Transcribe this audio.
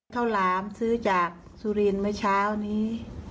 หลามซื้อจากสุรินทร์เมื่อเช้านี้